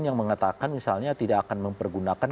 yang mengatakan misalnya tidak akan mempergunakan